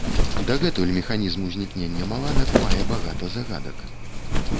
Дагэтуль механізм узнікнення маланак мае багата загадак.